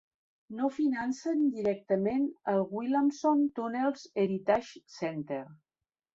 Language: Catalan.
No financen directament el Williamson Tunnels Heritage Center.